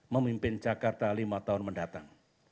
memimpin jakarta lima tahun mendatang